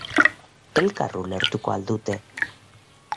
Elkar ulertuko al dute?